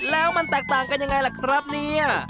แล้วมันแตกต่างกันยังไงล่ะครับเนี่ย